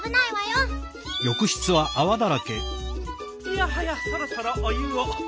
いやはやそろそろお湯を。